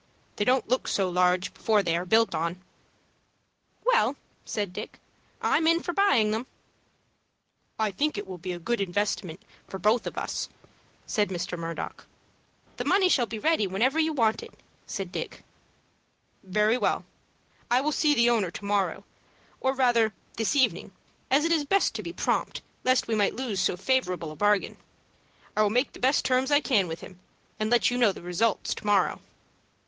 They don't look so large before they are built on." "Well," said Dick, "I'm in for buying them." "I think it will be a good investment for both of us," said Mr. Murdock. "The money shall be ready whenever you want it," said Dick. "Very well. I will see the owner to morrow, or rather this evening, as it is best to be prompt, lest we might lose so favorable a bargain. I will make the best terms I can with him, and let you know the result to morrow."